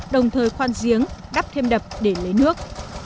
đồng thời khoan giếng đắp thêm đập để lấy nước